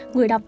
người đọc sách